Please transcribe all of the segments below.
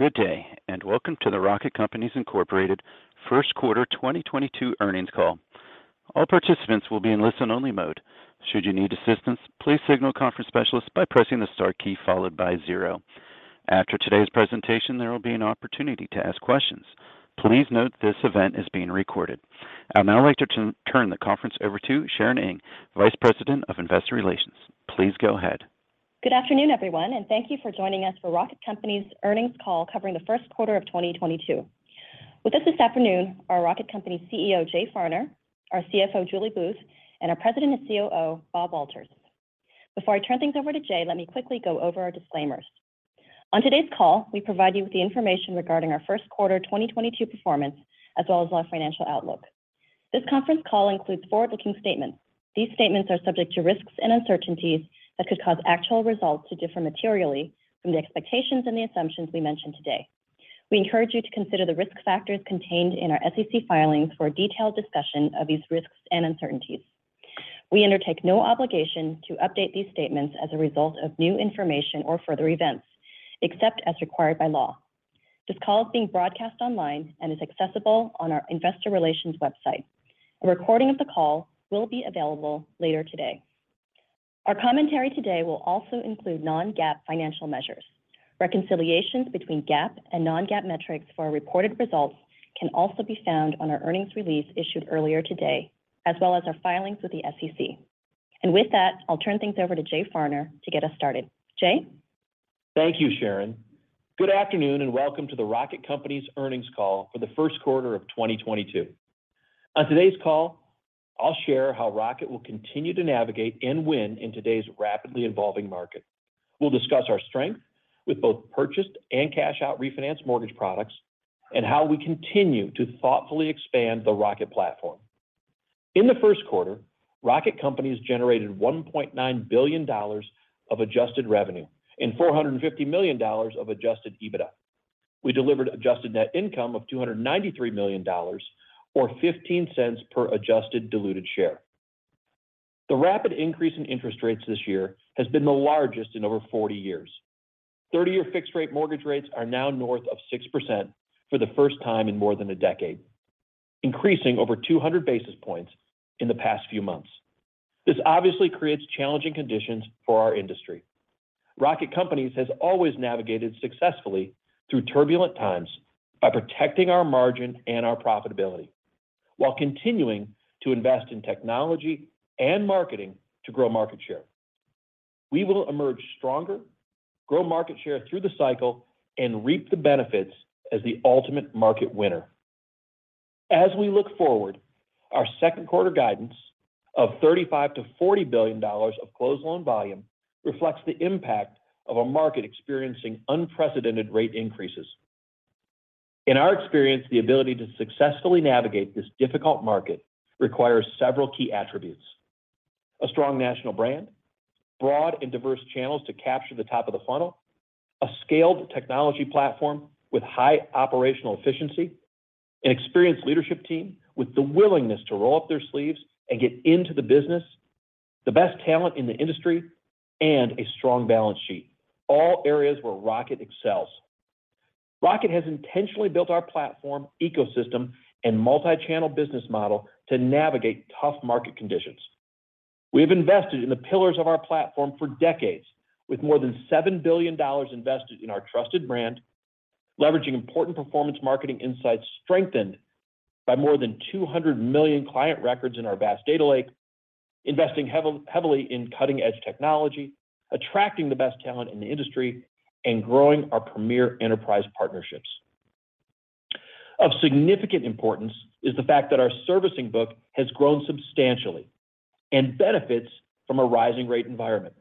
Good day, and welcome to the Rocket Companies, Inc. Q1 2022 earnings call. All participants will be in listen-only mode. Should you need assistance, please signal a conference specialist by pressing the star key followed by zero. After today's presentation, there will be an opportunity to ask questions. Please note this event is being recorded. I would now like to turn the conference over to Sharon Ng, Vice President of Investor Relations. Please go ahead. Good afternoon, everyone, and thank you for joining us for Rocket Companies' earnings call covering the Q1 of 2022. With us this afternoon are Rocket Companies CEO, Jay Farner, our CFO, Julie Booth, and our President and COO, Bob Walters. Before I turn things over to Jay, let me quickly go over our disclaimers. On today's call, we provide you with the information regarding our Q1 2022 performance, as well as our financial outlook. This conference call includes forward-looking statements. These statements are subject to risks and uncertainties that could cause actual results to differ materially from the expectations and the assumptions we mention today. We encourage you to consider the risk factors contained in our SEC filings for a detailed discussion of these risks and uncertainties. We undertake no obligation to update these statements as a result of new information or further events, except as required by law. This call is being broadcast online and is accessible on our investor relations website. A recording of the call will be available later today. Our commentary today will also include non-GAAP financial measures. Reconciliations between GAAP and non-GAAP metrics for our reported results can also be found on our earnings release issued earlier today, as well as our filings with the SEC. With that, I'll turn things over to Jay Farner to get us started. Jay? Thank you, Sharon. Good afternoon, and welcome to the Rocket Companies earnings call for the Q1 of 2022. On today's call, I'll share how Rocket will continue to navigate and win in today's rapidly evolving market. We'll discuss our strength with both purchased and cash-out refinance mortgage products and how we continue to thoughtfully expand the Rocket platform. In the Q1, Rocket Companies generated $1.9 billion of adjusted revenue and $450 million of adjusted EBITDA. We delivered adjusted net income of $293 million or $0.15 per adjusted diluted share. The rapid increase in interest rates this year has been the largest in over 40 years. 30-year fixed rate mortgage rates are now north of 6% for the first time in more than a decade, increasing over 200 basis points in the past few months. This obviously creates challenging conditions for our industry. Rocket Companies has always navigated successfully through turbulent times by protecting our margin and our profitability while continuing to invest in technology and marketing to grow market share. We will emerge stronger, grow market share through the cycle, and reap the benefits as the ultimate market winner. As we look forward, our Q2 guidance of $35 billion-$40 billion of closed loan volume reflects the impact of a market experiencing unprecedented rate increases. In our experience, the ability to successfully navigate this difficult market requires several key attributes. A strong national brand, broad and diverse channels to capture the top of the funnel, a scaled technology platform with high operational efficiency, an experienced leadership team with the willingness to roll up their sleeves and get into the business, the best talent in the industry, and a strong balance sheet, all areas where Rocket excels. Rocket has intentionally built our platform ecosystem and multi-channel business model to navigate tough market conditions. We have invested in the pillars of our platform for decades with more than $7 billion invested in our trusted brand, leveraging important performance marketing insights strengthened by more than 200 million client records in our vast data lake, investing heavily in cutting-edge technology, attracting the best talent in the industry, and growing our premier enterprise partnerships. Of significant importance is the fact that our servicing book has grown substantially and benefits from a rising rate environment.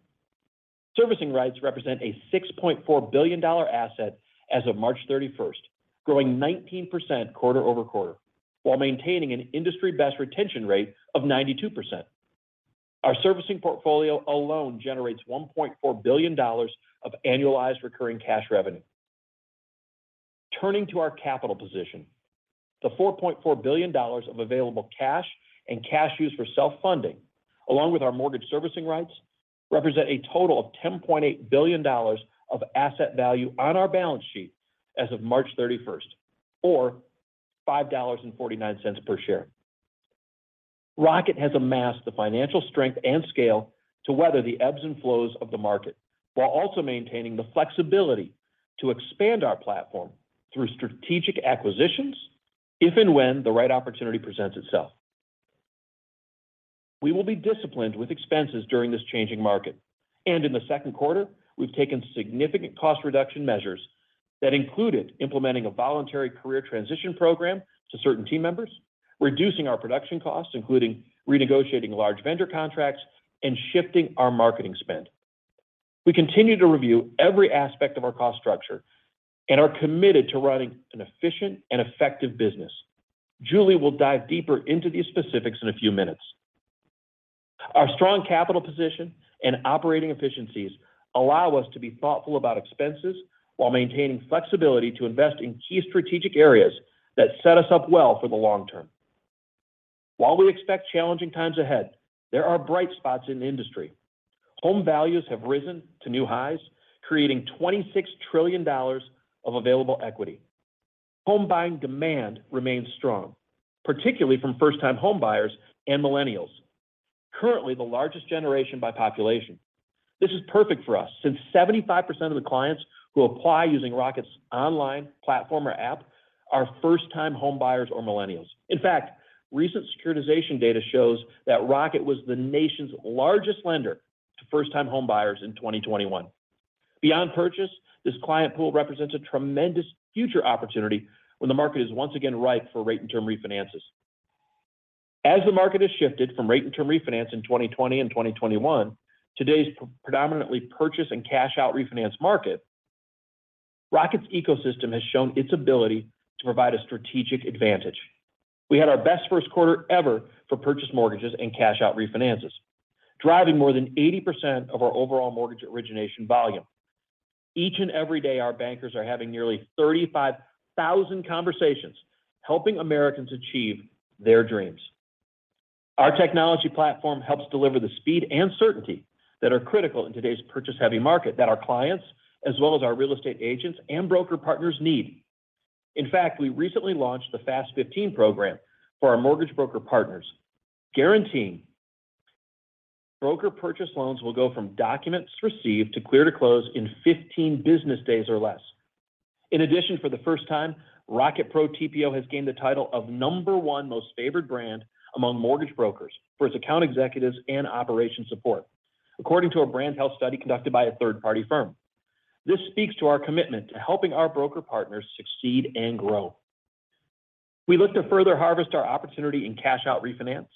Servicing rights represent a $6.4 billion asset as of March 31st, growing 19% quarter-over-quarter, while maintaining an industry-best retention rate of 92%. Our servicing portfolio alone generates $1.4 billion of annualized recurring cash revenue. Turning to our capital position, the $4.4 billion of available cash and cash used for self-funding, along with our mortgage servicing rights, represent a total of $10.8 billion of asset value on our balance sheet as of March 31st, or $5.49 per share. Rocket has amassed the financial strength and scale to weather the ebbs and flows of the market while also maintaining the flexibility to expand our platform through strategic acquisitions if and when the right opportunity presents itself. We will be disciplined with expenses during this changing market. In the Q2, we've taken significant cost reduction measures that included implementing a voluntary career transition program to certain team members, reducing our production costs, including renegotiating large vendor contracts and shifting our marketing spend. We continue to review every aspect of our cost structure and are committed to running an efficient and effective business. Julie will dive deeper into these specifics in a few minutes. Our strong capital position and operating efficiencies allow us to be thoughtful about expenses while maintaining flexibility to invest in key strategic areas that set us up well for the long term. While we expect challenging times ahead, there are bright spots in the industry. Home values have risen to new highs, creating $26 trillion of available equity. Home buying demand remains strong, particularly from first-time home buyers and millennials, currently the largest generation by population. This is perfect for us since 75% of the clients who apply using Rocket's online platform or app are first-time home buyers or millennials. In fact, recent securitization data shows that Rocket was the nation's largest lender to first-time home buyers in 2021. Beyond purchase, this client pool represents a tremendous future opportunity when the market is once again ripe for rate and term refinances. As the market has shifted from rate and term refinance in 2020 and 2021, today's predominantly purchase and cash out refinance market, Rocket's ecosystem has shown its ability to provide a strategic advantage. We had our best Q1 ever for purchase mortgages and cash out refinances, driving more than 80% of our overall mortgage origination volume. Each and every day, our bankers are having nearly 35,000 conversations helping Americans achieve their dreams. Our technology platform helps deliver the speed and certainty that are critical in today's purchase-heavy market that our clients, as well as our real estate agents and broker partners need. In fact, we recently launched the Fast 15 program for our mortgage broker partners, guaranteeing broker purchase loans will go from documents received to clear to close in 15 business days or less. In addition, for the first time, Rocket Pro TPO has gained the title of number one most favored brand among mortgage brokers for its account executives and operational support, according to a brand health study conducted by a third-party firm. This speaks to our commitment to helping our broker partners succeed and grow. We look to further harvest our opportunity in cash-out refinance,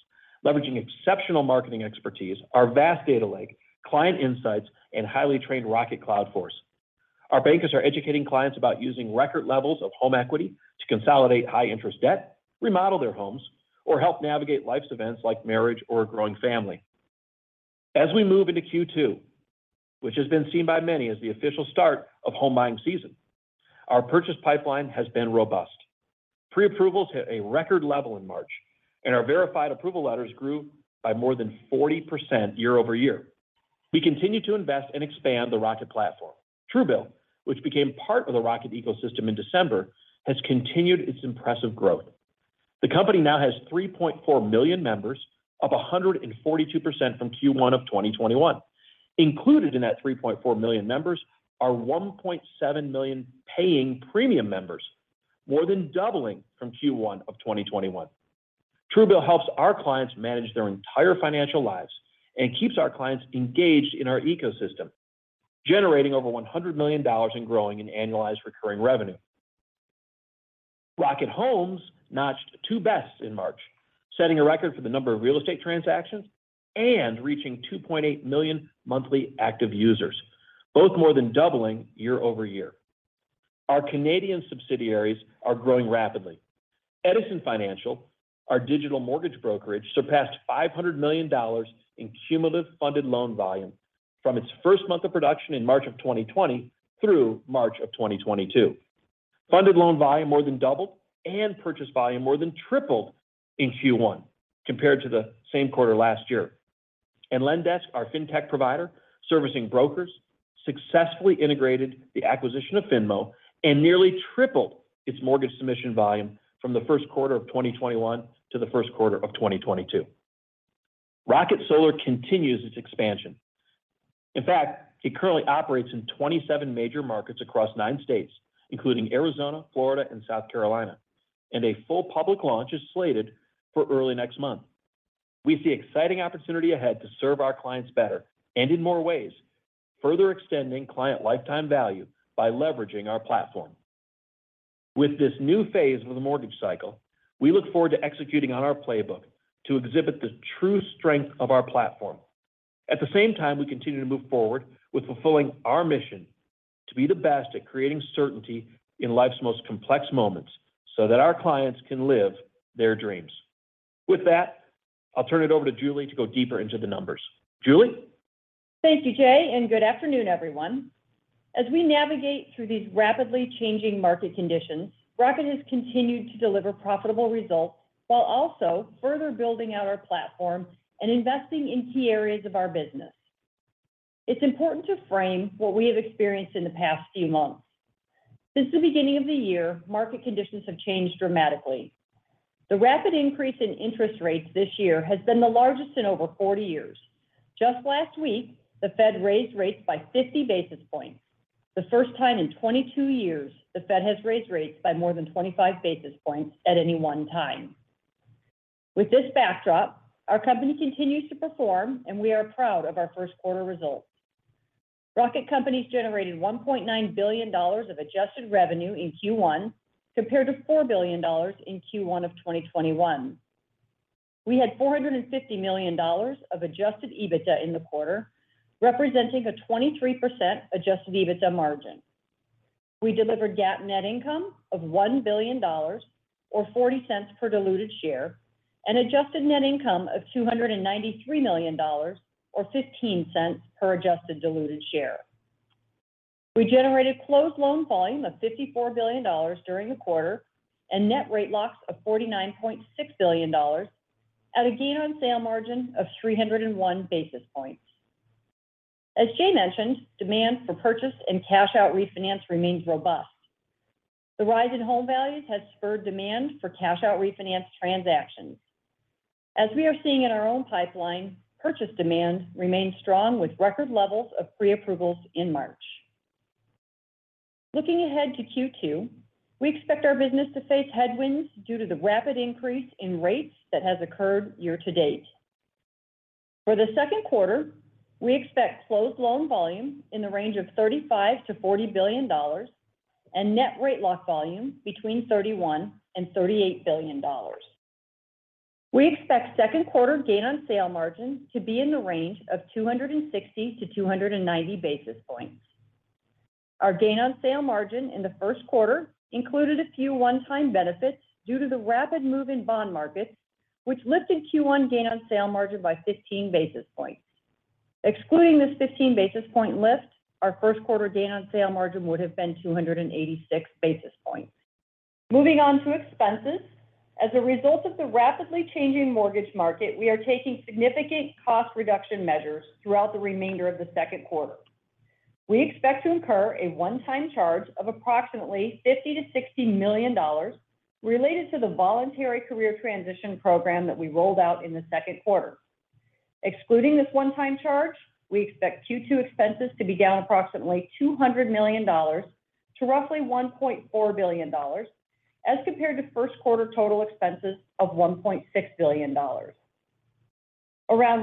leveraging exceptional marketing expertise, our vast data lake, client insights, and highly trained Rocket Cloud Force. Our bankers are educating clients about using record levels of home equity to consolidate high-interest debt, remodel their homes, or help navigate life's events like marriage or a growing family. As we move into Q2, which has been seen by many as the official start of home-buying season, our purchase pipeline has been robust. Pre-approvals hit a record level in March, and our Verified Approval letters grew by more than 40% year-over-year. We continue to invest and expand the Rocket platform. Truebill, which became part of the Rocket ecosystem in December, has continued its impressive growth. The company now has 3.4 million members, up 142% from Q1 of 2021. Included in that 3.4 million members are 1.7 million paying premium members, more than doubling from Q1 of 2021. Truebill helps our clients manage their entire financial lives and keeps our clients engaged in our ecosystem, generating over $100 million and growing in annualized recurring revenue. Rocket Homes notched two bests in March, setting a record for the number of real estate transactions and reaching 2.8 million monthly active users, both more than doubling year-over-year. Our Canadian subsidiaries are growing rapidly. Edison Financial, our digital mortgage brokerage, surpassed $500 million in cumulative funded loan volume from its first month of production in March 2020 through March 2022. Funded loan volume more than doubled, and purchase volume more than tripled in Q1 compared to the same quarter last year. Lendesk, our fintech provider servicing brokers, successfully integrated the acquisition of Finmo and nearly tripled its mortgage submission volume from the Q1 of 2021 to the Q1 of 2022. Rocket Solar continues its expansion. In fact, it currently operates in 27 major markets across nine states, including Arizona, Florida, and South Carolina, and a full public launch is slated for early next month. We see exciting opportunity ahead to serve our clients better and in more ways, further extending client lifetime value by leveraging our platform. With this new phase of the mortgage cycle, we look forward to executing on our playbook to exhibit the true strength of our platform. At the same time, we continue to move forward with fulfilling our mission to be the best at creating certainty in life's most complex moments so that our clients can live their dreams. With that, I'll turn it over to Julie to go deeper into the numbers. Julie? Thank you, Jay, and good afternoon, everyone. As we navigate through these rapidly changing market conditions, Rocket has continued to deliver profitable results while also further building out our platform and investing in key areas of our business. It's important to frame what we have experienced in the past few months. Since the beginning of the year, market conditions have changed dramatically. The rapid increase in interest rates this year has been the largest in over 40 years. Just last week, the Fed raised rates by 50 basis points, the first time in 22 years the Fed has raised rates by more than 25 basis points at any one time. With this backdrop, our company continues to perform, and we are proud of our Q1 results. Rocket Companies generated $1.9 billion of adjusted revenue in Q1 compared to $4 billion in Q1 of 2021. We had $450 million of adjusted EBITDA in the quarter, representing a 23% adjusted EBITDA margin. We delivered GAAP net income of $1 billion or $0.40 per diluted share and adjusted net income of $293 million or $0.15 per adjusted diluted share. We generated closed loan volume of $54 billion during the quarter and net rate locks of $49.6 billion at a gain on sale margin of 301 basis points. As Jay mentioned, demand for purchase and cash-out refinance remains robust. The rise in home values has spurred demand for cash-out refinance transactions. As we are seeing in our own pipeline, purchase demand remains strong with record levels of pre-approvals in March. Looking ahead to Q2, we expect our business to face headwinds due to the rapid increase in rates that has occurred year-to-date. For the Q2, we expect closed loan volume in the range of $35 billion-$40 billion and net rate lock volume between $31 billion and $38 billion. We expect Q2 gain on sale margin to be in the range of 260-290 basis points. Our gain on sale margin in the Q1 included a few one-time benefits due to the rapid move in bond markets, which lifted Q1 gain on sale margin by 15 basis points. Excluding this 15 basis point lift, our Q1 gain on sale margin would have been 286 basis points. Moving on to expenses. As a result of the rapidly changing mortgage market, we are taking significant cost reduction measures throughout the remainder of the Q2. We expect to incur a one-time charge of approximately $50-$60 million related to the voluntary career transition program that we rolled out in the Q2. Excluding this one-time charge, we expect Q2 expenses to be down approximately $200 million to roughly $1.4 billion as compared to Q1 total expenses of $1.6 billion. Around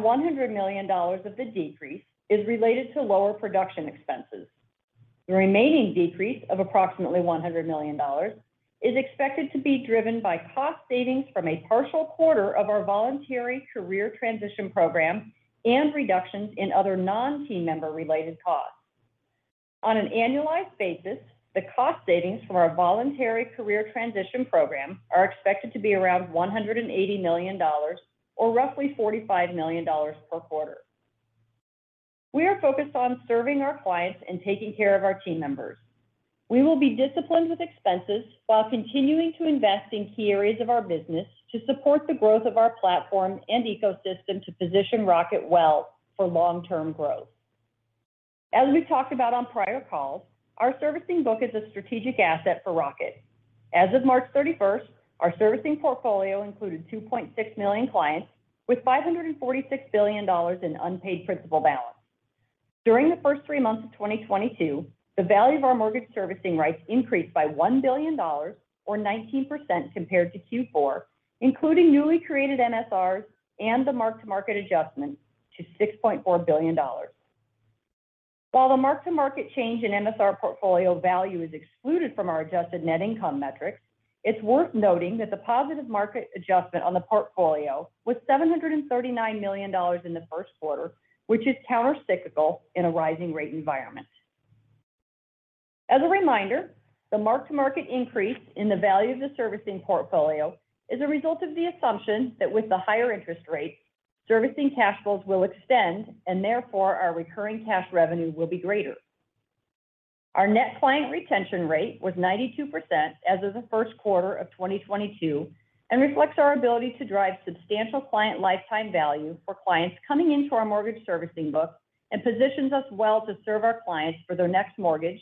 $100 million of the decrease is related to lower production expenses. The remaining decrease of approximately $100 million is expected to be driven by cost savings from a partial quarter of our voluntary career transition program and reductions in other non-team member related costs. On an annualized basis, the cost savings from our voluntary career transition program are expected to be around $180 million or roughly $45 million per quarter. We are focused on serving our clients and taking care of our team members. We will be disciplined with expenses while continuing to invest in key areas of our business to support the growth of our platform and ecosystem to position Rocket well for long-term growth. As we've talked about on prior calls, our servicing book is a strategic asset for Rocket. As of March 31st, our servicing portfolio included 2.6 million clients with $546 billion in unpaid principal balance. During the first three months of 2022, the value of our mortgage servicing rights increased by $1 billion or 19% compared to Q4, including newly created MSRs and the mark-to-market adjustment to $6.4 billion. While the mark-to-market change in MSR portfolio value is excluded from our adjusted net income metrics, it's worth noting that the positive market adjustment on the portfolio was $739 million in the Q1, which is countercyclical in a rising rate environment. As a reminder, the mark-to-market increase in the value of the servicing portfolio is a result of the assumption that with the higher interest rates, servicing cash flows will extend and therefore our recurring cash revenue will be greater. Our net client retention rate was 92% as of the Q1 of 2022 and reflects our ability to drive substantial client lifetime value for clients coming into our mortgage servicing book and positions us well to serve our clients for their next mortgage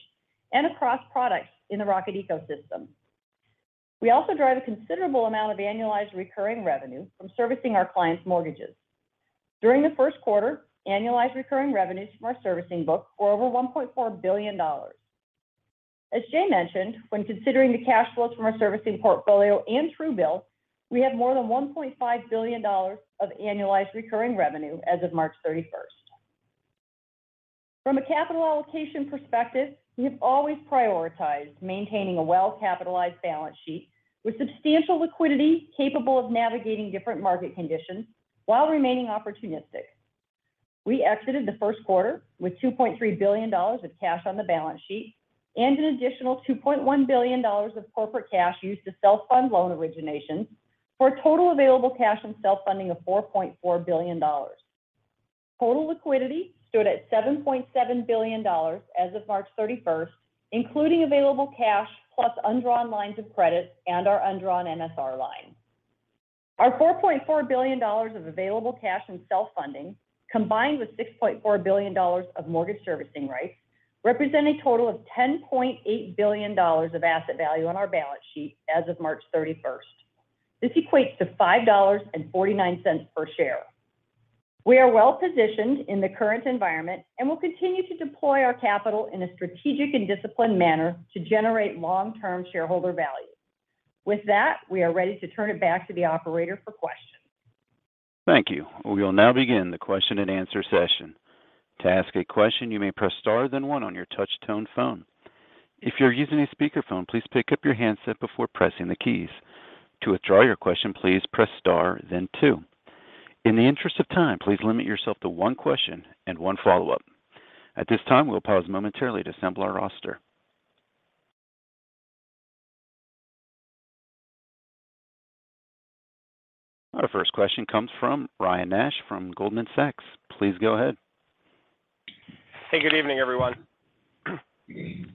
and across products in the Rocket ecosystem. We also drive a considerable amount of annualized recurring revenue from servicing our clients' mortgages. During the Q1, annualized recurring revenues from our servicing book were over $1.4 billion. As Jay mentioned, when considering the cash flows from our servicing portfolio and Truebill, we had more than $1.5 billion of annualized recurring revenue as of March 31st. From a capital allocation perspective, we have always prioritized maintaining a well-capitalized balance sheet with substantial liquidity capable of navigating different market conditions while remaining opportunistic. We exited the Q1 with $2.3 billion of cash on the balance sheet and an additional $2.1 billion of corporate cash used to self-fund loan originations for a total available cash and self-funding of $4.4 billion. Total liquidity stood at $7.7 billion as of March 31st, including available cash plus undrawn lines of credit and our undrawn MSR line. Our $4.4 billion of available cash and self-funding combined with $6.4 billion of mortgage servicing rights represent a total of $10.8 billion of asset value on our balance sheet as of March 31st. This equates to $5.49 per share. We are well positioned in the current environment, and will continue to deploy our capital in a strategic and disciplined manner to generate long-term shareholder value. With that, we are ready to turn it back to the operator for questions. Thank you. We will now begin the question and answer session. To ask a question, you may press star, then one on your touch tone phone. If you're using a speakerphone, please pick up your handset before pressing the keys. To withdraw your question, please press star then two. In the interest of time, please limit yourself to one question and one follow-up. At this time, we'll pause momentarily to assemble our roster. Our first question comes from Ryan Nash from Goldman Sachs. Please go ahead. Hey, good evening, everyone. Jay,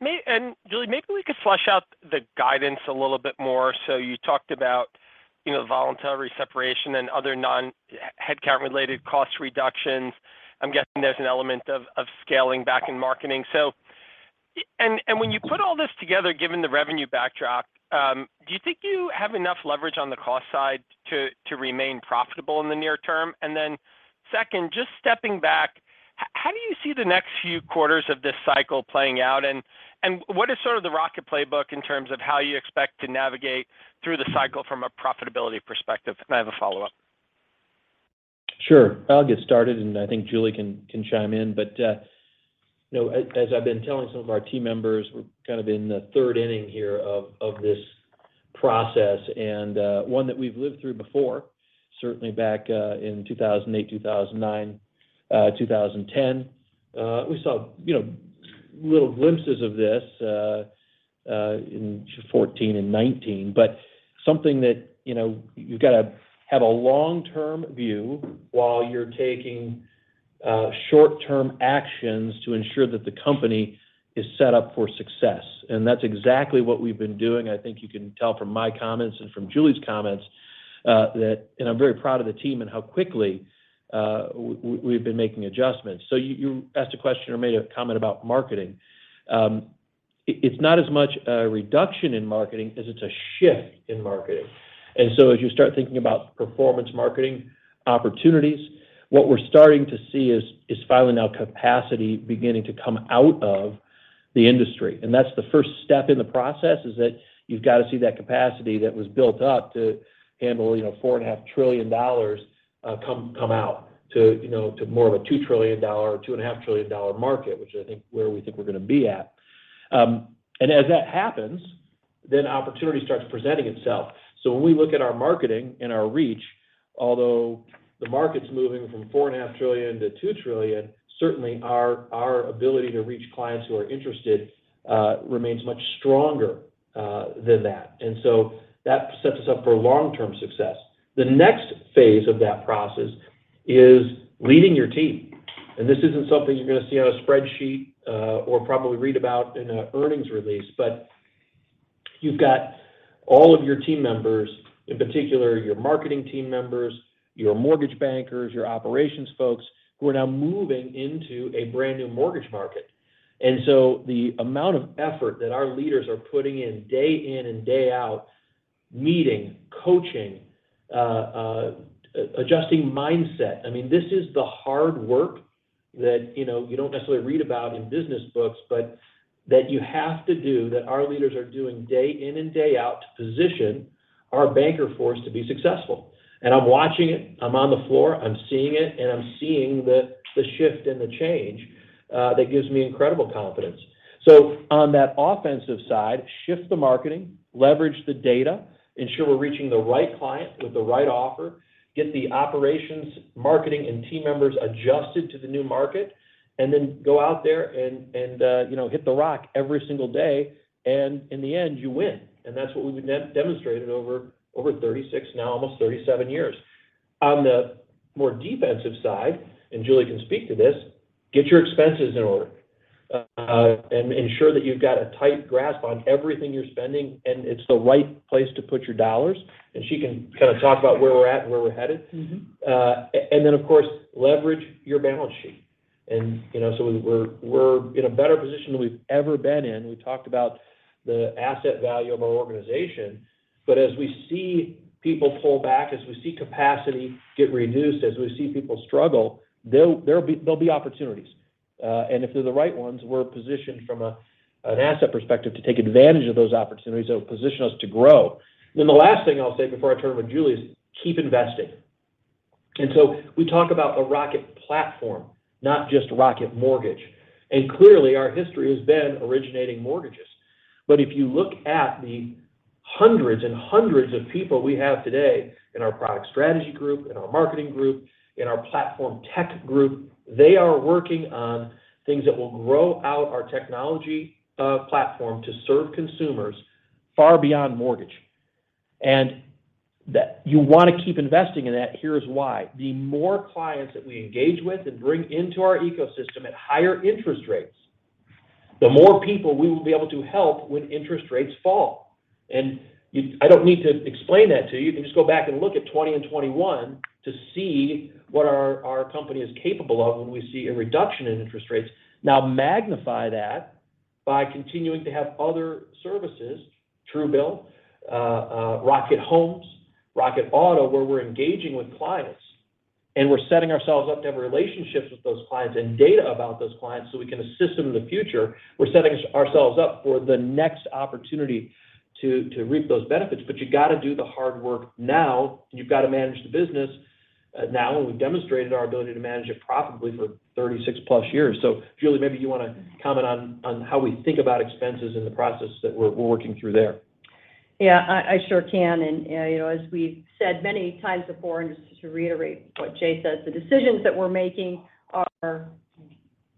me and Julie, maybe we could flesh out the guidance a little bit more. You talked about, you know, voluntary separation and other non-headcount related cost reductions. I'm guessing there's an element of scaling back in marketing. And when you put all this together, given the revenue backdrop, do you think you have enough leverage on the cost side to remain profitable in the near term? Second, just stepping back, how do you see the next few quarters of this cycle playing out? What is sort of the Rocket playbook in terms of how you expect to navigate through the cycle from a profitability perspective? I have a follow-up. Sure. I'll get started, and I think Julie can chime in. You know, as I've been telling some of our team members, we're kind of in the third inning here of this process and one that we've lived through before, certainly back in 2008, 2009, 2010. We saw, you know, little glimpses of this in 2014 and 2019, but something that, you know, you've got to have a long-term view while you're taking short-term actions to ensure that the company is set up for success. That's exactly what we've been doing. I think you can tell from my comments and from Julie's comments that and I'm very proud of the team and how quickly we've been making adjustments. You asked a question or made a comment about marketing. It's not as much a reduction in marketing as it's a shift in marketing. As you start thinking about performance marketing opportunities, what we're starting to see is finally now capacity beginning to come out of the industry. That's the first step in the process, is that you've got to see that capacity that was built up to handle, you know, $4.5 trillion come out to, you know, to more of a $2 trillion-$2.5 trillion market, which I think where we think we're going to be at. As that happens, then opportunity starts presenting itself. When we look at our marketing and our reach, although the market's moving from $4.5 trillion-$2 trillion, certainly our ability to reach clients who are interested remains much stronger than that. That sets us up for long-term success. The next phase of that process is leading your team. This isn't something you're going to see on a spreadsheet or probably read about in an earnings release. You've got all of your team members, in particular your marketing team members, your mortgage bankers, your operations folks, who are now moving into a brand-new mortgage market. The amount of effort that our leaders are putting in day in and day out, meeting, coaching, adjusting mindset. I mean, this is the hard work that, you know, you don't necessarily read about in business books, but that you have to do that our leaders are doing day in and day out to position our banker force to be successful. I'm watching it. I'm on the floor. I'm seeing it, and I'm seeing the shift and the change that gives me incredible confidence. On that offensive side, shift the marketing, leverage the data, ensure we're reaching the right client with the right offer, get the operations, marketing, and team members adjusted to the new market, and then go out there and you know, hit the road every single day. In the end, you win. That's what we've demonstrated over 36, now almost 37 years. On the more defensive side, and Julie can speak to this, get your expenses in order. Ensure that you've got a tight grasp on everything you're spending, and it's the right place to put your dollars. She can kind of talk about where we're at and where we're headed. Mm-hmm. Then of course, leverage your balance sheet. You know, we're in a better position than we've ever been in. We talked about the asset value of our organization. As we see people pull back, as we see capacity get reduced, as we see people struggle, there'll be opportunities. If they're the right ones, we're positioned from an asset perspective to take advantage of those opportunities that will position us to grow. The last thing I'll say before I turn it over to Julie is keep investing. We talk about a Rocket platform, not just Rocket Mortgage. Clearly, our history has been originating mortgages. If you look at the hundreds and hundreds of people we have today in our product strategy group, in our marketing group, in our platform tech group, they are working on things that will grow out our technology platform to serve consumers far beyond mortgage. That you want to keep investing in that. Here's why. The more clients that we engage with and bring into our ecosystem at higher interest rates, the more people we will be able to help when interest rates fall. You, I don't need to explain that to you. You can just go back and look at 2020 and 2021 to see what our company is capable of when we see a reduction in interest rates. Now magnify that by continuing to have other services, Truebill, Rocket Homes, Rocket Auto, where we're engaging with clients, and we're setting ourselves up to have relationships with those clients and data about those clients so we can assist them in the future. We're setting ourselves up for the next opportunity to reap those benefits. You got to do the hard work now, and you've got to manage the business now. We've demonstrated our ability to manage it profitably for 36+ years. Julie, maybe you want to comment on how we think about expenses in the process that we're working through there. Yeah, I sure can. You know, as we've said many times before, and just to reiterate what Jay says, the decisions that we're making are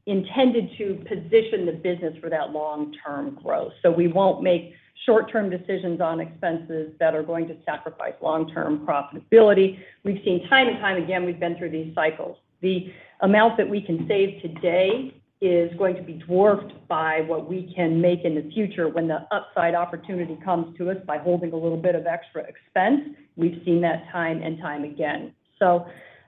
intended to position the business for that long-term growth. We won't make short-term decisions on expenses that are going to sacrifice long-term profitability. We've seen time and time again, we've been through these cycles. The amount that we can save today is going to be dwarfed by what we can make in the future when the upside opportunity comes to us by holding a little bit of extra expense. We've seen that time and time again.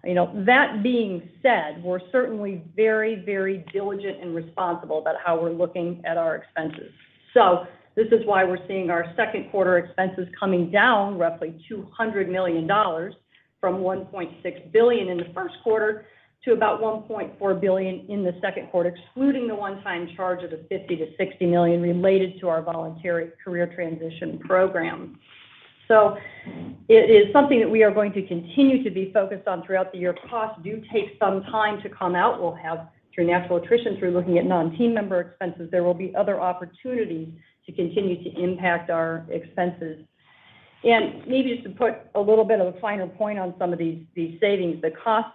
You know, that being said, we're certainly very, very diligent and responsible about how we're looking at our expenses. This is why we're seeing our Q2 expenses coming down roughly $200 million from $1.6 billion in the Q1 to about $1.4 billion in the Q2, excluding the one-time charge of the $50 million-$60 million related to our voluntary career transition program. It is something that we are going to continue to be focused on throughout the year. Costs do take some time to come out. We'll have through natural attrition, through looking at non-team member expenses, there will be other opportunities to continue to impact our expenses. Maybe just to put a little bit of a finer point on some of these savings, the cost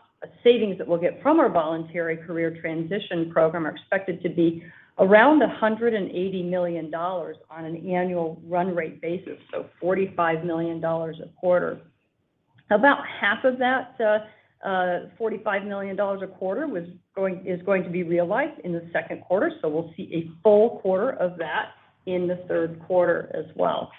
savings that we'll get from our voluntary career transition program are expected to be around $180 million on an annual run rate basis, $45 million a quarter. About half of that, $45 million a quarter is going to be realized in the Q2. We'll see a full quarter of that in the Q3 as well.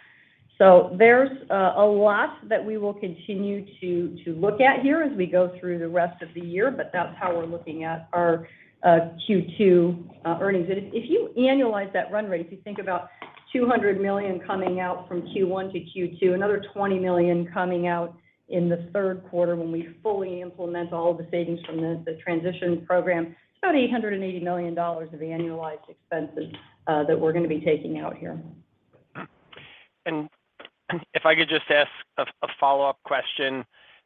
There's a lot that we will continue to look at here as we go through the rest of the year, but that's how we're looking at our Q2 earnings. If you annualize that run rate, if you think about $200 million coming out from Q1-Q2, another $20 million coming out in the Q3 when we fully implement all of the savings from the transition program, it's about $880 million of annualized expenses that we're going to be taking out here. If I could just ask a follow-up question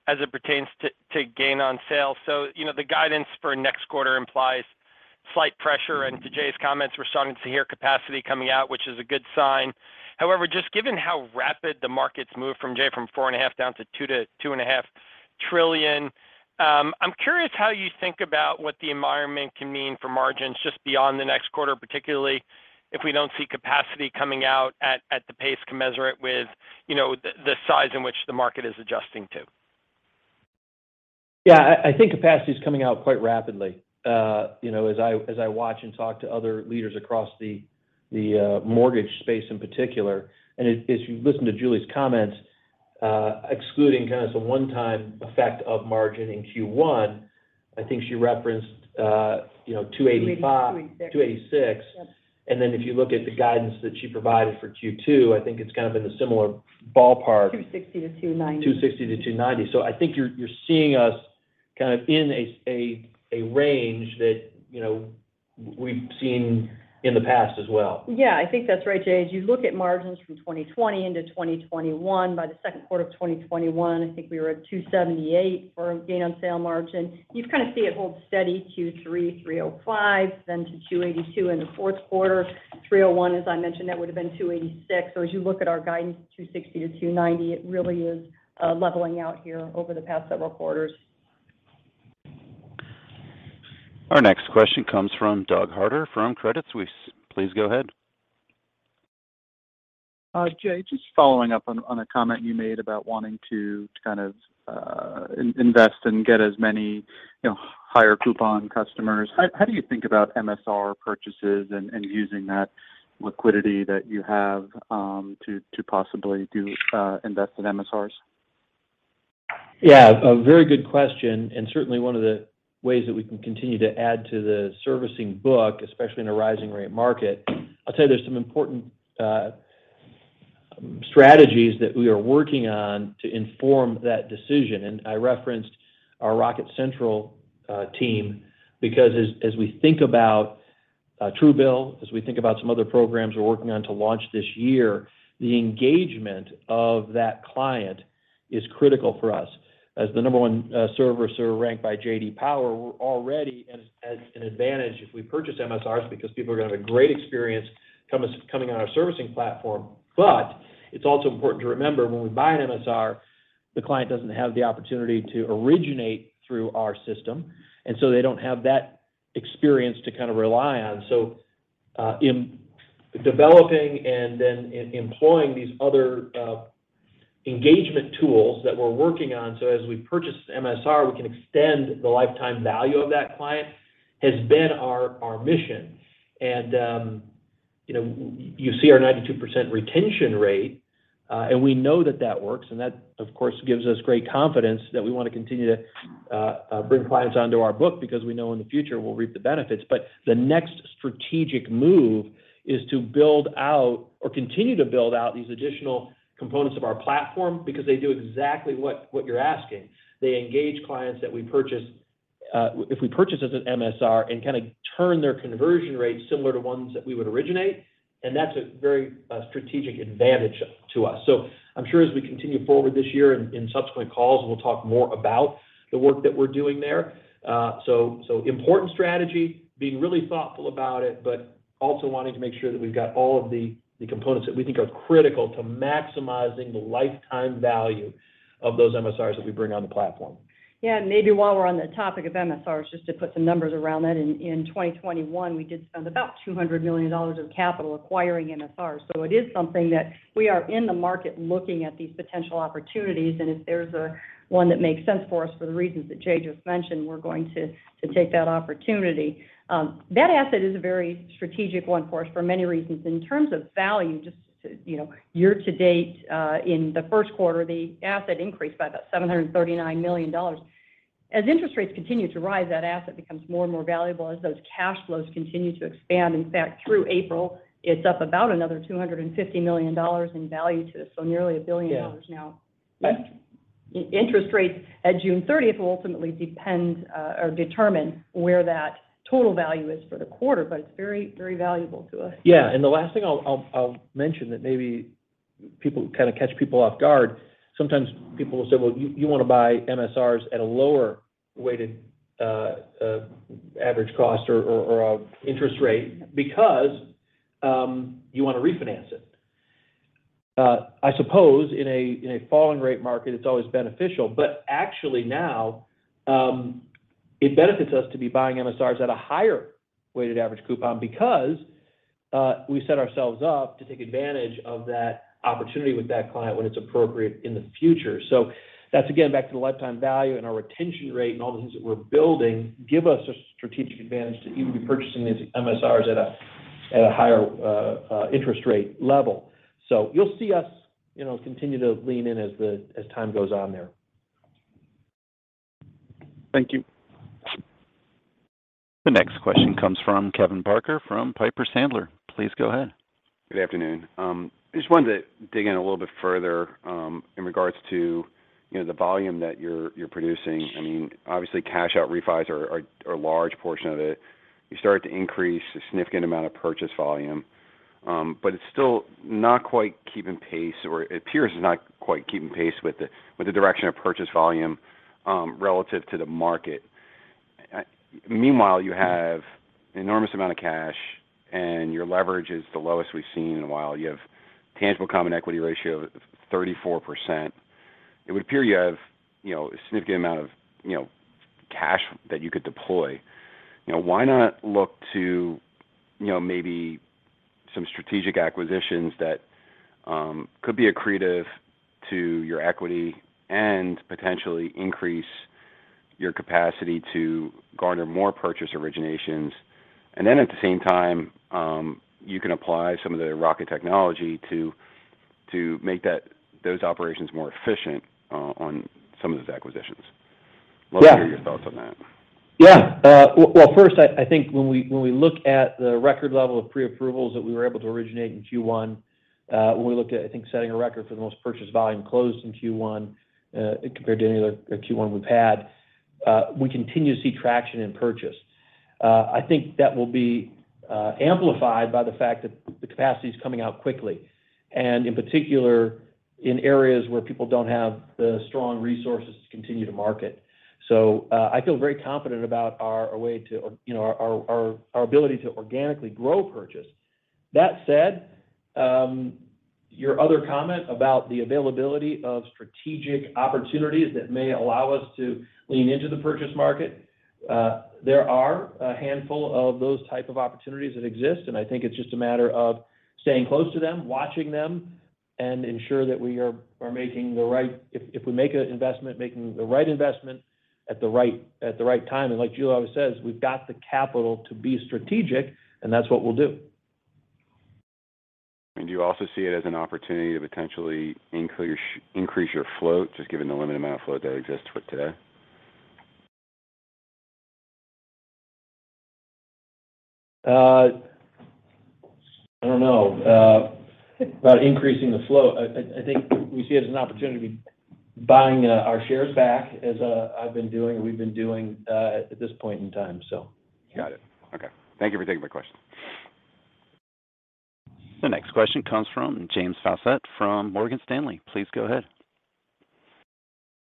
as it pertains to gain on sale. You know, the guidance for next quarter implies slight pressure, and to Jay's comments, we're starting to hear capacity coming out, which is a good sign. However, just given how rapid the market's moved from, say, $4.5 trillion down to $2 trillion-$2.5 trillion, I'm curious how you think about what the environment can mean for margins just beyond the next quarter, particularly if we don't see capacity coming out at the pace commensurate with, you know, the size in which the market is adjusting to. Yeah. I think capacity is coming out quite rapidly. You know, as I watch and talk to other leaders across the mortgage space in particular. As you listen to Julie's comments, excluding kind of the one-time effect of margin in Q1, I think she referenced, you know, 285- 286 286. Yes. If you look at the guidance that she provided for Q2, I think it's kind of in the similar ballpark. 260-290. 260-290. I think you're seeing us kind of in a range that, you know, we've seen in the past as well. Yeah, I think that's right, Jay. As you look at margins from 2020 into 2021, by the Q2 of 2021, I think we were at 278 for a gain on sale margin. You kind of see it hold steady, 23, 305, then to 282 in the Q4. 301, as I mentioned, that would have been 286. As you look at our guidance, 260-290, it really is leveling out here over the past several quarters. Our next question comes from Doug Harter from Credit Suisse. Please go ahead. Jay, just following up on a comment you made about wanting to kind of invest and get as many, you know, higher coupon customers. How do you think about MSR purchases and using that liquidity that you have to possibly invest in MSRs? Yeah, a very good question, and certainly one of the ways that we can continue to add to the servicing book, especially in a rising rate market. I'll tell you there's some important strategies that we are working on to inform that decision. I referenced our Rocket Central team because as we think about Truebill, as we think about some other programs we're working on to launch this year, the engagement of that client is critical for us. As the number one servicer ranked by J.D. Power, we're already at an advantage if we purchase MSRs because people are going to have a great experience coming on our servicing platform. It's also important to remember when we buy an MSR, the client doesn't have the opportunity to originate through our system, and so they don't have that experience to kind of rely on. In developing and then employing these other engagement tools that we're working on, so as we purchase MSR, we can extend the lifetime value of that client, has been our mission. You know, you see our 92% retention rate, and we know that that works. That, of course, gives us great confidence that we want to continue to bring clients onto our book because we know in the future we'll reap the benefits. The next strategic move is to build out or continue to build out these additional components of our platform because they do exactly what you're asking. They engage clients that we purchase. If we purchase as an MSR and kind of turn their conversion rates similar to ones that we would originate, and that's a very strategic advantage to us. I'm sure as we continue forward this year in subsequent calls, we'll talk more about the work that we're doing there. Important strategy, being really thoughtful about it, but also wanting to make sure that we've got all of the components that we think are critical to maximizing the lifetime value of those MSRs that we bring on the platform. Yeah. Maybe while we're on the topic of MSRs, just to put some numbers around that. In 2021, we did spend about $200 million of capital acquiring MSRs. It is something that we are in the market looking at these potential opportunities. If there's one that makes sense for us for the reasons that Jay just mentioned, we're going to take that opportunity. That asset is a very strategic one for us for many reasons. In terms of value, just year-to-date in the Q1, the asset increased by about $739 million. As interest rates continue to rise, that asset becomes more and more valuable as those cash flows continue to expand. In fact, through April, it's up about another $250 million in value to this, so nearly $1 billion now. Yeah. Interest rates at June 30th will ultimately depend, or determine where that total value is for the quarter, but it's very, very valuable to us. Yeah. The last thing I'll mention that maybe people kind of catch people off guard. Sometimes people will say, "Well, you want to buy MSRs at a lower weighted average cost or a interest rate because you want to refinance it." I suppose in a falling rate market, it's always beneficial. Actually now, it benefits us to be buying MSRs at a higher weighted average coupon because we set ourselves up to take advantage of that opportunity with that client when it's appropriate in the future. That's again, back to the lifetime value and our retention rate and all the things that we're building give us a strategic advantage to even be purchasing these MSRs at a higher interest rate level. You'll see us, you know, continue to lean in as time goes on there. Thank you. The next question comes from Kevin Barker from Piper Sandler. Please go ahead. Good afternoon. I just wanted to dig in a little bit further, in regards to the volume that you're producing. I mean, obviously, cash-out refis are a large portion of it. You started to increase a significant amount of purchase volume, but it's still not quite keeping pace, or it appears it's not quite keeping pace with the direction of purchase volume, relative to the market. Meanwhile, you have an enormous amount of cash, and your leverage is the lowest we've seen in a while. You have tangible common equity ratio of 34%. It would appear you have a significant amount of cash that you could deploy. Why not look to maybe some strategic acquisitions that could be accretive to your equity and potentially increase your capacity to garner more purchase originations? At the same time, you can apply some of the Rocket technology to make those operations more efficient on some of those acquisitions. Yeah. Love to hear your thoughts on that. Yeah. Well, first, I think when we look at the record level of pre-approvals that we were able to originate in Q1, when we look at, I think, setting a record for the most purchase volume closed in Q1 compared to any other Q1 we've had, we continue to see traction in purchase. I think that will be amplified by the fact that the capacity is coming out quickly, and in particular, in areas where people don't have the strong resources to continue to market. I feel very confident about our ability to organically grow purchase. That said, your other comment about the availability of strategic opportunities that may allow us to lean into the purchase market. There are a handful of those type of opportunities that exist, and I think it's just a matter of staying close to them, watching them, and ensure that we are making the right investment if we make an investment at the right time. Like Julie always says, we've got the capital to be strategic, and that's what we'll do. Do you also see it as an opportunity to potentially increase your float, just given the limited amount of float that exists for today? I don't know about increasing the float. I think we see it as an opportunity buying our shares back as we've been doing at this point in time. Got it. Okay. Thank you for taking my question. The next question comes from James Faucette from Morgan Stanley. Please go ahead.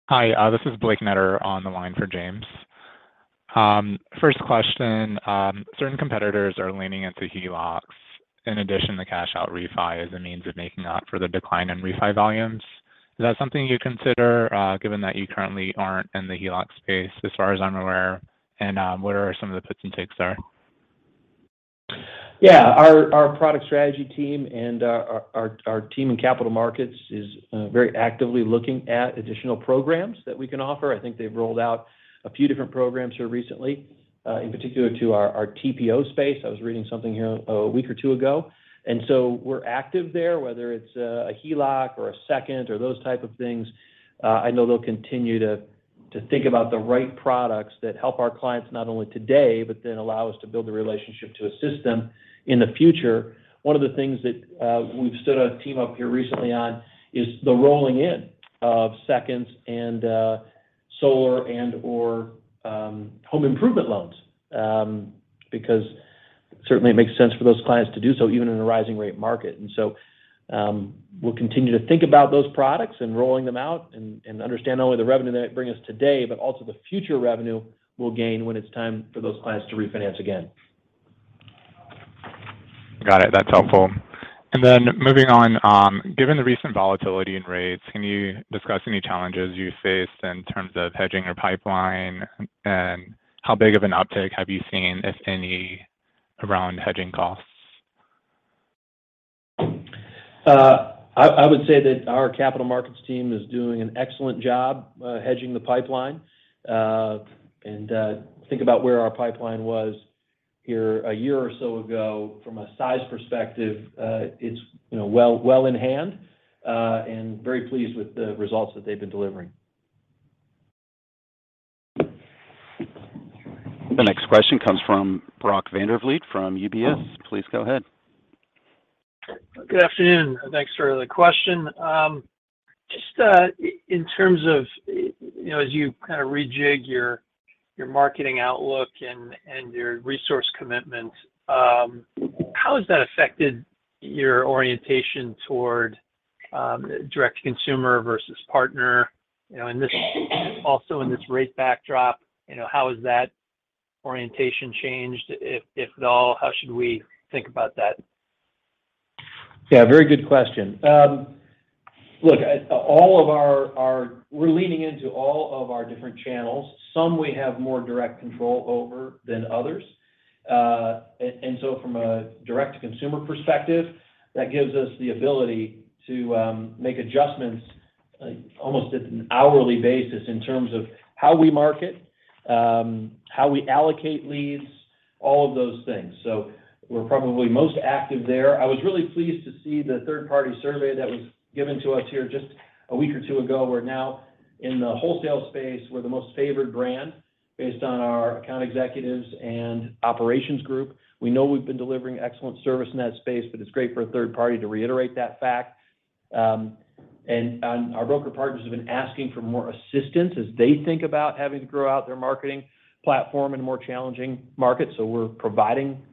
Hi, this is Blake Netter on the line for James. First question, certain competitors are leaning into HELOCs in addition to cash out refi as a means of making up for the decline in refi volumes. Is that something you consider, given that you currently aren't in the HELOC space as far as I'm aware? What are some of the puts and takes there? Yeah. Our product strategy team and our team in capital markets is very actively looking at additional programs that we can offer. I think they've rolled out a few different programs here recently, in particular to our TPO space. I was reading something here a week or two ago. We're active there, whether it's a HELOC or a second or those type of things. I know they'll continue to think about the right products that help our clients not only today, but then allow us to build a relationship to assist them in the future. One of the things that we've stood our team up here recently on is the rolling in of seconds and, solar and/or, home improvement loans, because certainly it makes sense for those clients to do so even in a rising rate market. We'll continue to think about those products and rolling them out and understand not only the revenue that it brings us today, but also the future revenue we'll gain when it's time for those clients to refinance again. Got it. That's helpful. Moving on, given the recent volatility in rates, can you discuss any challenges you faced in terms of hedging your pipeline? How big of an uptick have you seen, if any, around hedging costs? I would say that our capital markets team is doing an excellent job hedging the pipeline. Think about where our pipeline was here a year or so ago from a size perspective. It's, you know, well in hand, and very pleased with the results that they've been delivering. The next question comes from Brock Vandervliet from UBS. Please go ahead. Good afternoon. Thanks for the question. Just in terms of, you know, as you kind of rejig your marketing outlook and your resource commitment, how has that affected your orientation toward direct to consumer versus partner, you know, in this, also in this rate backdrop, you know, how has that orientation changed, if at all? How should we think about that? Yeah, very good question. Look, all of our, we're leaning into all of our different channels. Some we have more direct control over than others. From a direct to consumer perspective, that gives us the ability to make adjustments almost at an hourly basis in terms of how we market, how we allocate leads, all of those things. We're probably most active there. I was really pleased to see the third-party survey that was given to us here just a week or two ago. We're now in the wholesale space. We're the most favored brand based on our account executives and operations group. We know we've been delivering excellent service in that space, but it's great for a third party to reiterate that fact. Our broker partners have been asking for more assistance as they think about having to grow out their marketing platform in a more challenging market. We're providing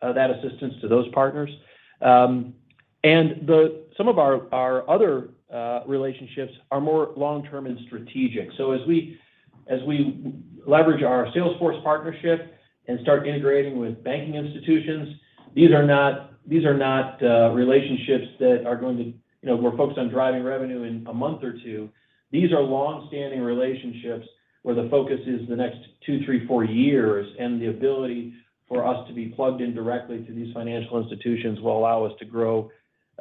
that assistance to those partners. Some of our other relationships are more long-term and strategic. As we leverage our Salesforce partnership and start integrating with banking institutions, these are not relationships that are going to, you know, we're focused on driving revenue in a month or two. These are long-standing relationships where the focus is the next two, three, four years, and the ability for us to be plugged in directly to these financial institutions will allow us to grow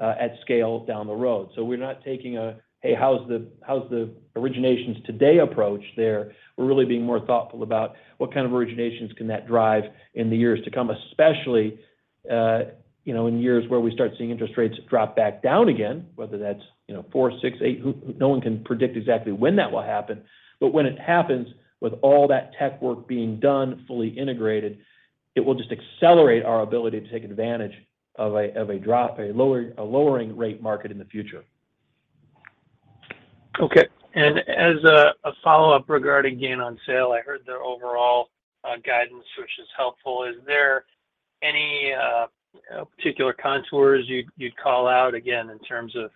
at scale down the road. We're not taking a, "Hey, how's the originations today approach there?" We're really being more thoughtful about what kind of originations can that drive in the years to come, especially, you know, in years where we start seeing interest rates drop back down again, whether that's, you know, 4%, 6%, 8%. No one can predict exactly when that will happen. When it happens, with all that tech work being done fully integrated, it will just accelerate our ability to take advantage of a drop, a lowering rate market in the future. Okay. As a follow-up regarding gain on sale, I heard their overall guidance, which is helpful. Is there any particular contours you'd call out, again, in terms of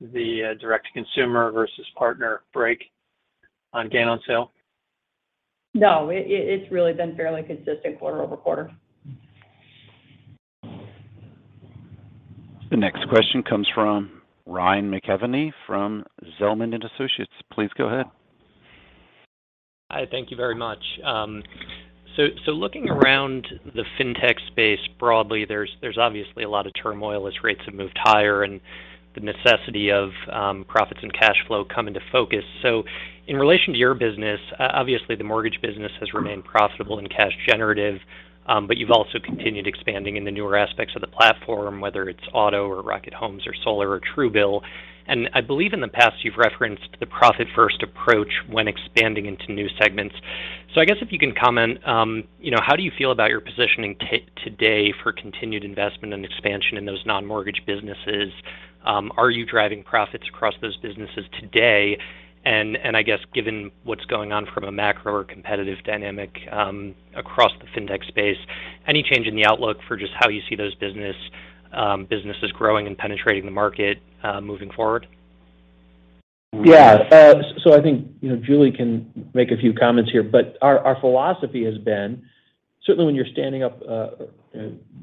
the direct to consumer versus partner break on gain on sale? No. It's really been fairly consistent quarter-over-quarter. The next question comes from Ryan McKeveny from Zelman & Associates. Please go ahead. Hi. Thank you very much. Looking around the fintech space broadly, there's obviously a lot of turmoil as rates have moved higher and the necessity of profits and cash flow come into focus. In relation to your business, obviously, the mortgage business has remained profitable and cash generative, but you've also continued expanding in the newer aspects of the platform, whether it's Auto or Rocket Homes or Solar or Truebill. I believe in the past, you've referenced the profit-first approach when expanding into new segments. I guess if you can comment, you know, how do you feel about your positioning today for continued investment and expansion in those non-mortgage businesses? Are you driving profits across those businesses today? I guess given what's going on from a macro or competitive dynamic, across the fintech space, any change in the outlook for just how you see those businesses growing and penetrating the market, moving forward? Yeah. So I think, you know, Julie can make a few comments here, but our philosophy has been certainly when you're standing up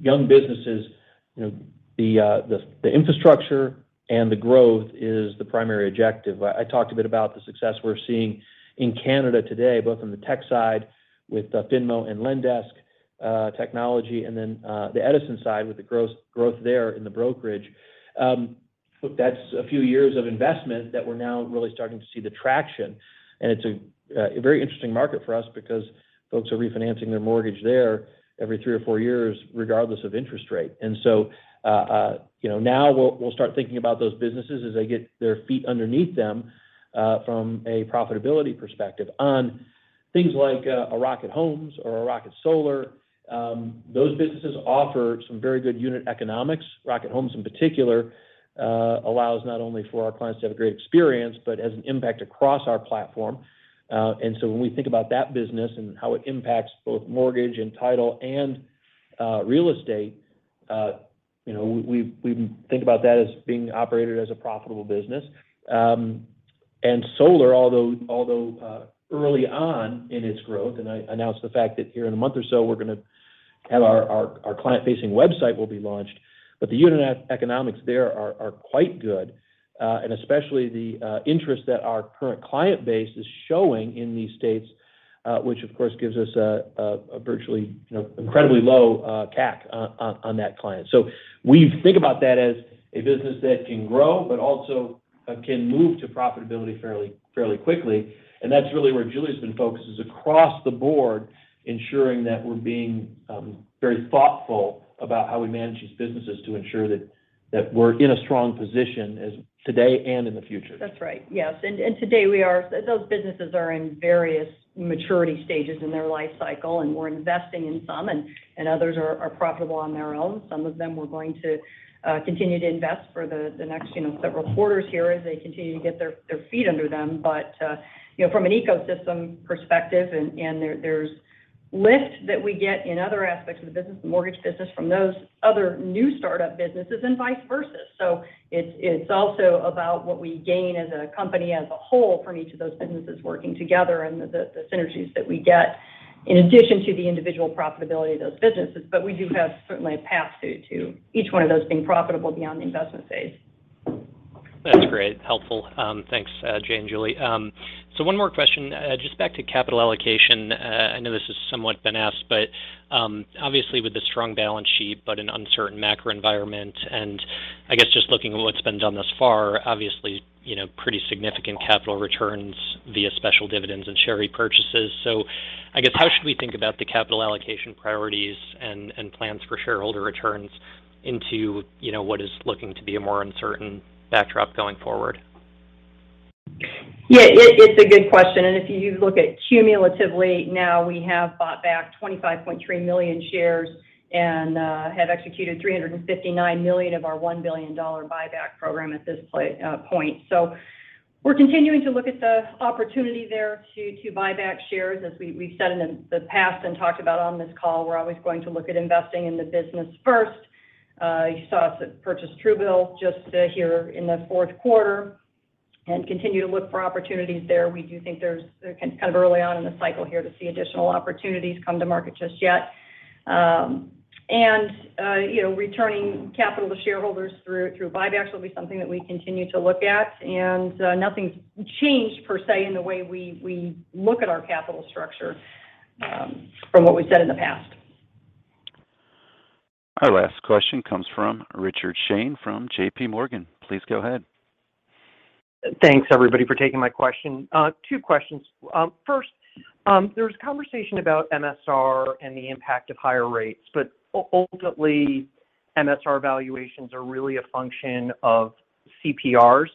young businesses, you know, the infrastructure and the growth is the primary objective. I talked a bit about the success we're seeing in Canada today, both on the tech side with Finmo and Lendesk technology, and then the Edison side with the strong growth there in the brokerage. That's a few years of investment that we're now really starting to see the traction. It's a very interesting market for us because folks are refinancing their mortgage there every three or four years, regardless of interest rate. Now we'll start thinking about those businesses as they get their feet underneath them from a profitability perspective. Things like a Rocket Homes or a Rocket Solar, those businesses offer some very good unit economics. Rocket Homes in particular allows not only for our clients to have a great experience, but has an impact across our platform. When we think about that business and how it impacts both mortgage and title and real estate, you know, we think about that as being operated as a profitable business. Solar, although early on in its growth, and I announced the fact that here in a month or so we're gonna have our client-facing website will be launched. The unit economics there are quite good, and especially the interest that our current client base is showing in these states, which of course gives us a virtually, you know, incredibly low CAC on that client. So we think about that as a business that can grow, but also can move to profitability fairly quickly. That's really where Julie's been focused, is across the board ensuring that we're being very thoughtful about how we manage these businesses to ensure that we're in a strong position as today and in the future. That's right. Yes. Those businesses are in various maturity stages in their life cycle, and we're investing in some, and others are profitable on their own. Some of them we're going to continue to invest for the next, you know, several quarters here as they continue to get their feet under them. You know, from an ecosystem perspective, and there's lift that we get in other aspects of the business and mortgage business from those other new startup businesses and vice versa. It's also about what we gain as a company as a whole from each of those businesses working together and the synergies that we get in addition to the individual profitability of those businesses. We do have certainly a path to each one of those being profitable beyond the investment phase. That's great. Helpful. Thanks, Jay and Julie. One more question. Just back to capital allocation. I know this has somewhat been asked, but obviously with the strong balance sheet but an uncertain macro environment, and I guess just looking at what's been done thus far, obviously, you know, pretty significant capital returns via special dividends and share repurchases. I guess how should we think about the capital allocation priorities and plans for shareholder returns into, you know, what is looking to be a more uncertain backdrop going forward? Yeah, it's a good question. If you look at cumulatively now, we have bought back 25.3 million shares and have executed $359 million of our $1 billion buyback program at this point. We're continuing to look at the opportunity there to buy back shares. As we've said in the past and talked about on this call, we're always going to look at investing in the business first. You saw us purchase Truebill just here in the Q4 and continue to look for opportunities there. We do think there's kind of early on in the cycle here to see additional opportunities come to market just yet. You know, returning capital to shareholders through buybacks will be something that we continue to look at. Nothing's changed per se in the way we look at our capital structure from what we've said in the past. Our last question comes from Richard Shane from JPMorgan. Please go ahead. Thanks, everybody, for taking my question. Two questions. First, there was conversation about MSR and the impact of higher rates, but ultimately MSR valuations are really a function of CPRs.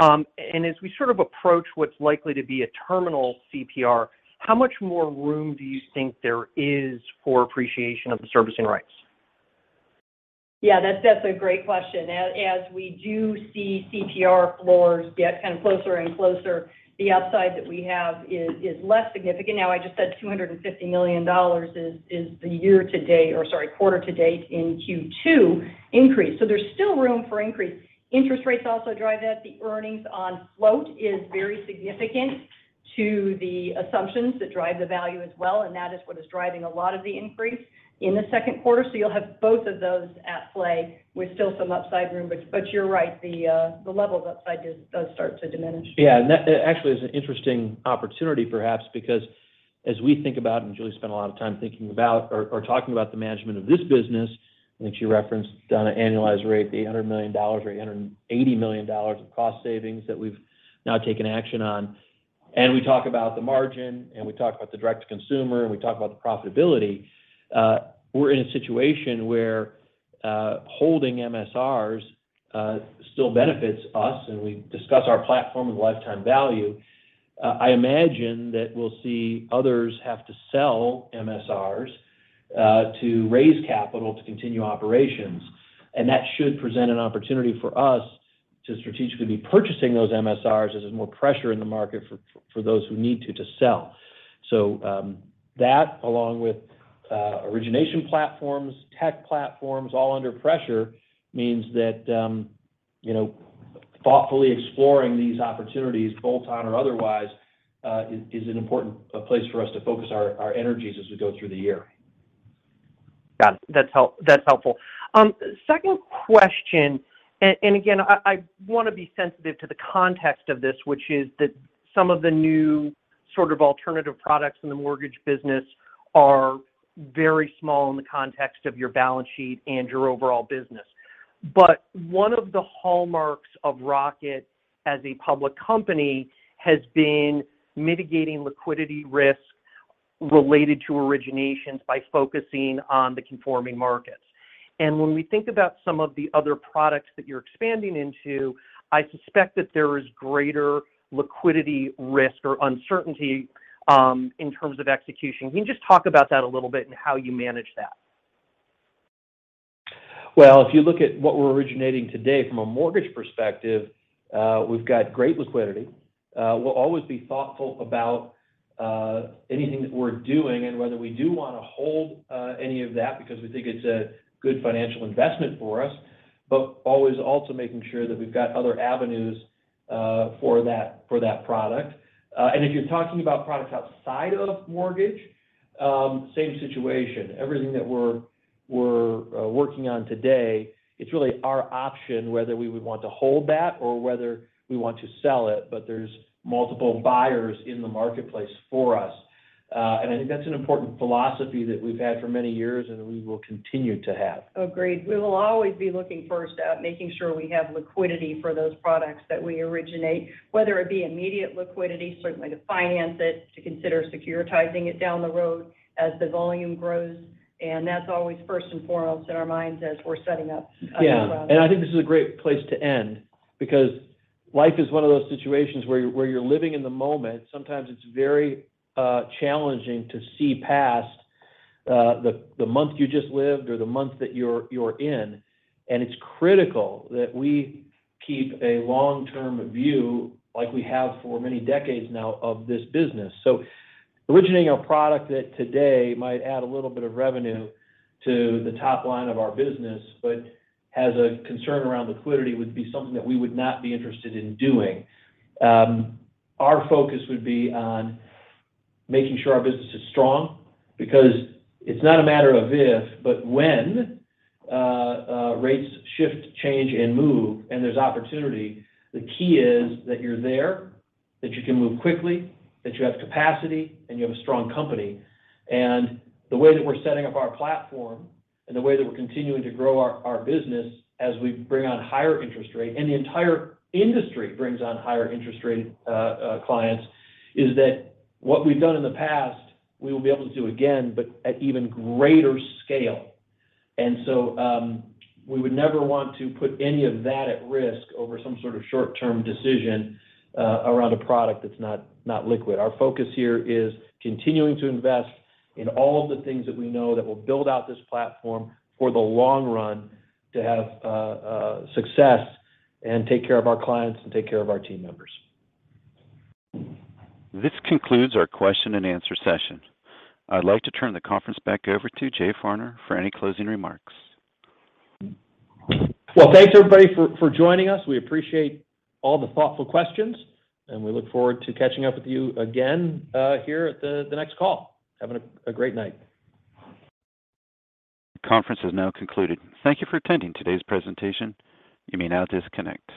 As we sort of approach what's likely to be a terminal CPR, how much more room do you think there is for appreciation of the servicing rights? Yeah, that's a great question. As we do see CPR floors get kind of closer and closer, the upside that we have is less significant. Now, I just said $250 million is the year to date or, sorry, quarter to date in Q2 increase. There's still room for increase. Interest rates also drive that. The earnings on float is very significant to the assumptions that drive the value as well, and that is what is driving a lot of the increase in the Q2. You'll have both of those at play with still some upside room. You're right, the level of upside does start to diminish. Yeah. That actually is an interesting opportunity perhaps because as we think about and Julie spent a lot of time thinking about or talking about the management of this business, and she referenced on an annualized rate, $800 million or $880 million of cost savings that we've now taken action on. We talk about the margin, and we talk about the direct to consumer, and we talk about the profitability. We're in a situation where holding MSRs still benefits us, and we discuss our platform and lifetime value. I imagine that we'll see others have to sell MSRs to raise capital to continue operations, and that should present an opportunity for us to strategically be purchasing those MSRs as there's more pressure in the market for those who need to sell. That along with origination platforms, tech platforms all under pressure means that you know, thoughtfully exploring these opportunities, bolt-on or otherwise, is an important place for us to focus our energies as we go through the year. Got it. That's helpful. Second question, again, I want to be sensitive to the context of this, which is that some of the new sort of alternative products in the mortgage business are very small in the context of your balance sheet and your overall business. One of the hallmarks of Rocket as a public company has been mitigating liquidity risk. Related to originations by focusing on the conforming markets. When we think about some of the other products that you're expanding into, I suspect that there is greater liquidity risk or uncertainty, in terms of execution. Can you just talk about that a little bit and how you manage that? Well, if you look at what we're originating today from a mortgage perspective, we've got great liquidity. We'll always be thoughtful about anything that we're doing and whether we do want to hold any of that because we think it's a good financial investment for us. Always also making sure that we've got other avenues for that, for that product. If you're talking about products outside of mortgage, same situation. Everything that we're working on today, it's really our option whether we would want to hold that or whether we want to sell it, but there's multiple buyers in the marketplace for us. I think that's an important philosophy that we've had for many years and that we will continue to have. Agreed. We will always be looking first at making sure we have liquidity for those products that we originate, whether it be immediate liquidity, certainly to finance it, to consider securitizing it down the road as the volume grows, and that's always first and foremost in our minds as we're setting up. Yeah. I think this is a great place to end because life is one of those situations where you're living in the moment. Sometimes it's very challenging to see past the month you just lived or the month that you're in, and it's critical that we keep a long-term view like we have for many decades now of this business. Originating a product that today might add a little bit of revenue to the top line of our business, but has a concern around liquidity would be something that we would not be interested in doing. Our focus would be on making sure our business is strong because it's not a matter of if, but when, rates shift, change, and move and there's opportunity, the key is that you're there, that you can move quickly, that you have capacity, and you have a strong company. The way that we're setting up our platform and the way that we're continuing to grow our business as we bring on higher interest rate, and the entire industry brings on higher interest rate clients, is that what we've done in the past, we will be able to do again, but at even greater scale. We would never want to put any of that at risk over some sort of short-term decision around a product that's not liquid. Our focus here is continuing to invest in all of the things that we know that will build out this platform for the long run to have success and take care of our clients and take care of our team members. This concludes our question and answer session. I'd like to turn the conference back over to Jay Farner for any closing remarks. Well, thanks everybody for joining us. We appreciate all the thoughtful questions, and we look forward to catching up with you again here at the next call. Have a great night. Conference is now concluded. Thank you for attending today's presentation. You may now disconnect.